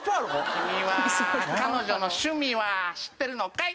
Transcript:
「君は彼女の趣味は知ってるのかい？